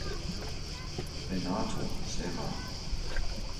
Renato Serra.